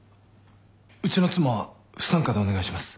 うちの妻は不参加でお願いします。